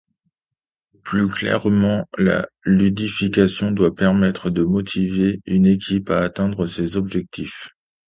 Plus clairement, la ludification doit permettre de motiver une équipe à atteindre ses objectifs.